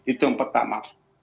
itu yang pertama